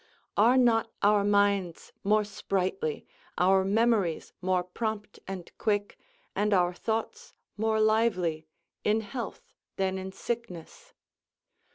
Are not our minds more sprightly, ouï memories more prompt and quick, and our thoughts more lively, in health than in sickness?